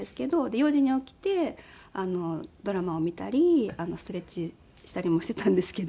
４時に起きてドラマを見たりストレッチしたりもしていたんですけど。